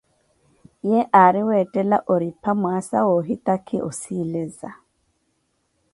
We aari weettela oripha mwaasa wa ohitakhi osileza.